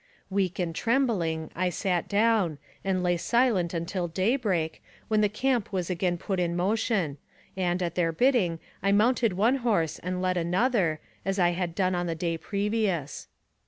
Weak and trembling, I sank down, and lay silent till day break, when the camp was again put in mo tion, and, at their bidding, I mounted one horse and led another, as I had done on the day previous.